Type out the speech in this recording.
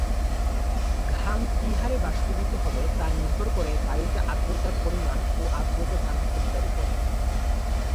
ঘাম কি হারে বাষ্পীভূত হবে তা নির্ভর করে বায়ুতে আর্দ্রতার পরিমাণ ও আর্দ্রতা ধারণক্ষমতার ওপর।